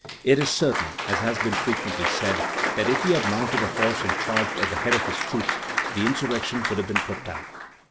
It is certain, as has been frequently said, that if he had mounted a horse and charged at the head of his troops, the insurrection would have been put down."